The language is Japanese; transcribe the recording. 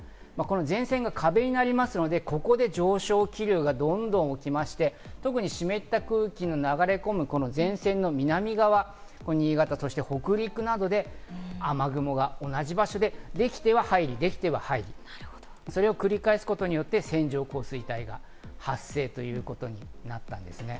前線が壁になりますので、ここで上昇気流がどんどん起きまして、特に湿った空気が流れ込む前線の南側、新潟、そして北陸などで雨雲が同じ場所で、できては入り、できては入り、それを繰り返すことによって線状降水帯が発生ということになったんですね。